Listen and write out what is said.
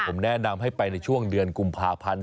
ผมแนะนำให้ไปในช่วงเดือนกุมภาพันธ์